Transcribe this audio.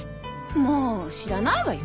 もう知らないわよ？